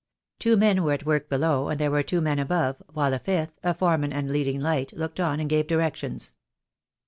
Two men were at work below, and there were two men above, while a fifth, a foreman and leading light, looked on and gave directions.